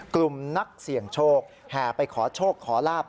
กลุ่มนักเสี่ยงโชคแห่ไปขอโชคขอลาบ